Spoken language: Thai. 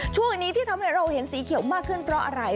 ช่วงนี้ที่ทำให้เราเห็นสีเขียวมากขึ้นเพราะอะไร